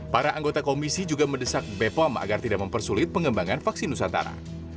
para anggota komisi juga mendesak bepom agar tidak mempersulit pengembangan vaksin nusantara